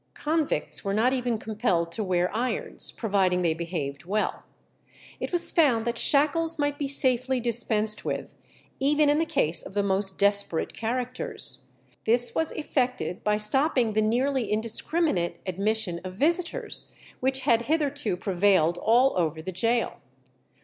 Convicts were not even compelled to wear irons, providing they behaved well. It was found that shackles might be safely dispensed with, even in the case of the most desperate characters. This was effected by stopping the nearly indiscriminate admission of visitors, which had hitherto prevailed all over the gaol.